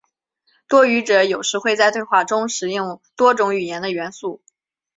多语者有时会在对话中使用多种语言的元素。